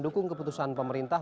dukung keputusan pemerintah